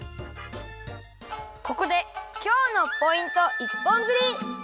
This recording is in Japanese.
ここで今日のポイント一本釣り！